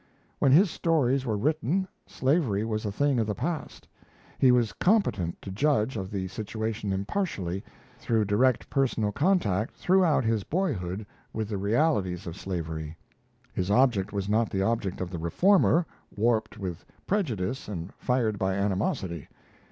When his stories were written, slavery was a thing of the past he was competent to judge of the situation impartially, through direct personal contact throughout his boyhood with the realities of slavery. His object was not the object of the reformer, warped with prejudice and fired by animosity.